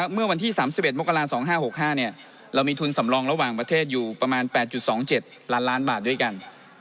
เมื่อวันที่๓๑มกราศ๒๕๖๕เรามีทุนสำรองระหว่างประเทศอยู่ประมาณ๘๒๗ล้านล้านบาทด้วยกัน